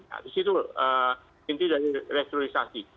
nah disitu inti dari restrukisasi